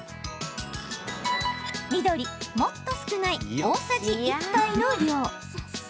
緑・もっと少ない大さじ１杯の量。